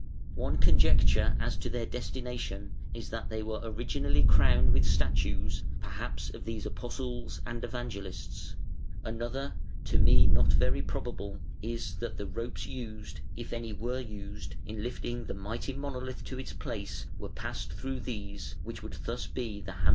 One conjecture as to their destination is that they were originally crowned with statues, perhaps of these Apostles and Evangelists; another, to me not very probable, is, that the ropes used (if any were used) in lifting the mighty monolith to its place were passed through these, which would thus be the handles of the dome.